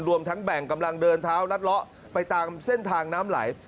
รวมทั้งแบ่งกำลังเดินเท้ารัดเลาะไปตามเส้นทางน้ำไหล